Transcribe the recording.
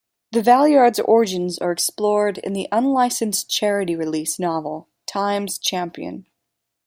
The Valeyard's origins are explored in the unlicensed charity release novel Time's Champion.